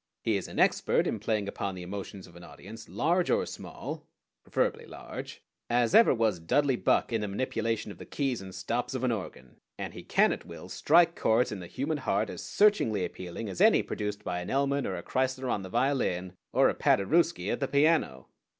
He is an expert in playing upon the emotions of an audience, large or small preferably large as ever was Dudley Buck in the manipulation of the keys and stops of an organ, and he can at will strike chords in the human heart as searchingly appealing as any produced by an Elman or a Kreisler on the violin, or a Paderewski at the piano.